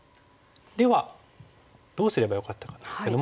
ではどうすればよかったかなんですけども。